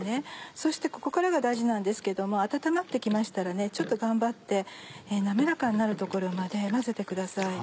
そしてここからが大事なんですけども温まって来ましたらちょっと頑張って滑らかになるところまで混ぜてください。